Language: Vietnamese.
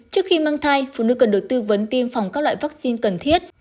trước khi mang thai phụ nữ cần được tư vấn tiêm phòng các loại vaccine cần thiết